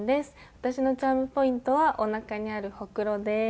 私のチャームポイントはおなかにあるほくろです。